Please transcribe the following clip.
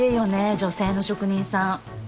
女性の職人さん。